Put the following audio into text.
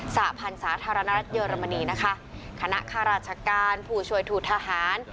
สาพันธ์สาธารณรัฐเยอรมนีนะคะคณะข้าราชการผู้ช่วยถูกทหาร